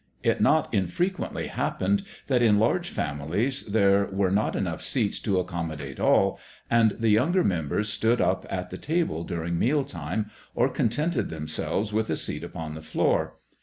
It not infrequently happened that in large families there were not enough seats to accommodate all, and the younger members stood up at the table during meal time or contented themselves with a seat upon the floor.